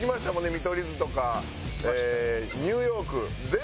見取り図とかニューヨーク。